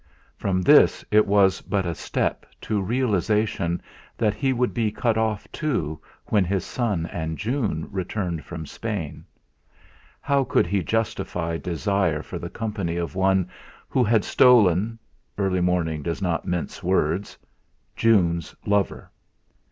From this it was but a step to realisation that he would be cut off, too, when his son and June returned from Spain. How could he justify desire for the company of one who had stolen early morning does not mince words June's lover?